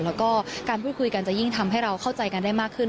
แล้วก็การพูดคุยกันจะยิ่งทำให้เราเข้าใจกันได้มากขึ้น